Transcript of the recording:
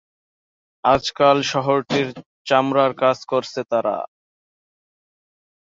আজকাল শহরটির চামড়ার কাজ করছে তারা।